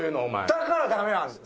だからダメなんだよ！